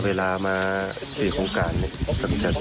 ครับเวลาวามาสิ่งของการซึ้ง